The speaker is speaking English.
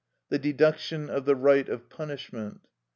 The deduction of the right of punishment.